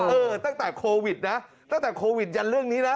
เออตั้งแต่โควิดนะตั้งแต่โควิดยันเรื่องนี้นะ